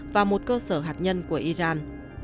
vào một cơ sở hạt nhân của iran